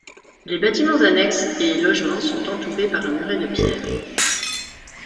Les bâtiments annexes et logements sont entourés par un muret de pierre.